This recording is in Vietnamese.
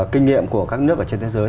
kinh nghiệm của các nước ở trên thế giới